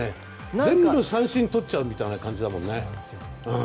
全部三振とっちゃうみたいな感じだもんね。